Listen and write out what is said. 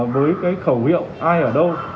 với cái khẩu hiệu ai ở đâu